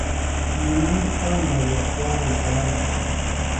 منیر پاندہ وے خواروزار بِھلوۡ۔